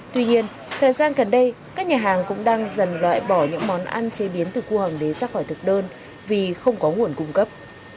tuy nhiên thời gian gần đây các nhà hàng cũng đang dần loại bỏ những món ăn chế biến từ cua hoàng đế ra khỏi thực đơn vì không có nguồn cung cấp